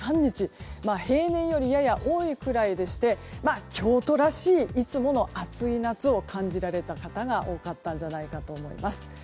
平年よりやや多いくらいでして京都らしい、いつもの暑い夏を感じられた方が多かったんじゃないかと思います。